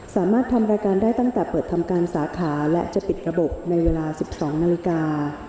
สามารถทำรายการได้ตั้งแต่เปิดทำการสาขาและจะปิดระบบในเวลา๑๒นาฬิกา